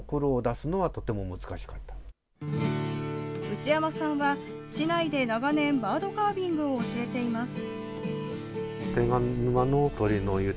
内山さんは、市内で長年、バードカービングを教えています。